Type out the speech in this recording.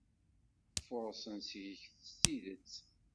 Furṣen seg-k s tidet.